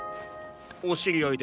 お知り合いで？